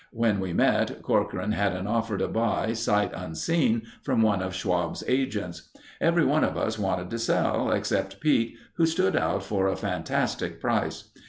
When we met, Corcoran had an offer to buy, sight unseen, from one of Schwab's agents. Everyone of us wanted to sell, except Pete who stood out for a fantastic price.